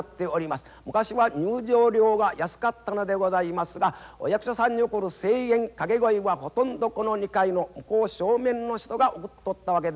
昔は入場料が安かったのでございますがお役者さんに送る声援掛け声はほとんどこの２階の向こう正面の人が送っとったわけでございます。